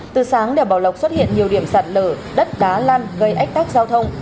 từ sáng đèo bảo lộc xuất hiện nhiều điểm sạt lở đất đá lan gây ách tắc giao thông